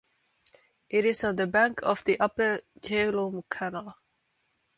It is on the bank of the Upper Jhelum Canal.